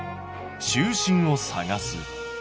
「中心を探す」。